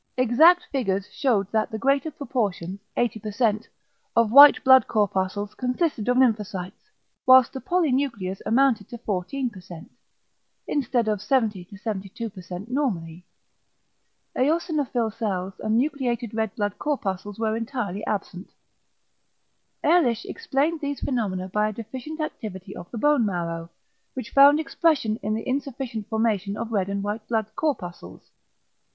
Exact figures shewed that the greater proportion (80%) of white blood corpuscles consisted of lymphocytes, whilst the polynuclears amounted to 14% (instead of 70 72% normally). Eosinophil cells and nucleated red blood corpuscles were entirely absent. Ehrlich explained these phenomena by a deficient activity of the bone marrow, which found expression in the insufficient formation of red and white blood corpuscles.